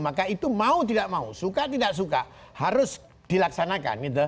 maka itu mau tidak mau suka tidak suka harus dilaksanakan